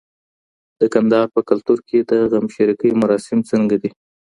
د کندهار په کلتور کي د غمشریکۍ مراسم څنګه وي؟